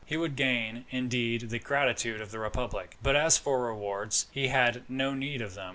He would gain, indeed, the gratitude of the republic; but as for rewards, he had no need of them.